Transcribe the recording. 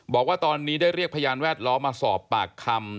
บอกว่าตอนนี้ได้เรียกพยานแวดล้อมมาสอบปากคำ